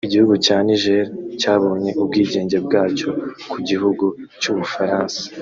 Igihugu cya Niger cyabonye ubwigenge bwacyo ku gihugu cy’u Bufaransa